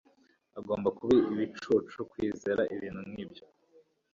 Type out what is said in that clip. Agomba kuba ibicucu kwizera ikintu nkicyo.